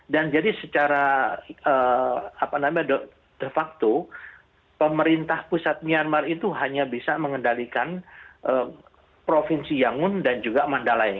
dan jadi secara de facto pemerintah pusat myanmar itu hanya bisa mengendalikan provinsi yangon dan juga mandalay